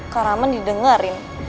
kak raman didengerin